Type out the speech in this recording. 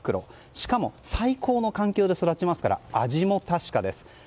しかも最高の環境で育ちますから味も確かです。